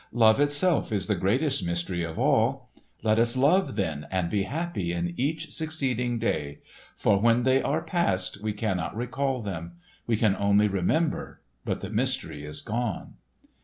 Love itself is the greatest mystery of all. Let us love then and be happy in each succeeding day; for when they are past we cannot recall them. We can only remember, but the mystery is gone!"